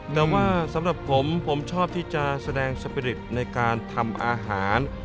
แต่ว่าสำหรับผมผมชอบที่จะแสดงสปิริตในการทำอาหาร